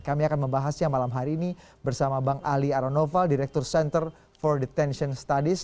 kami akan membahasnya malam hari ini bersama bang ali aranova direktur center for detention studies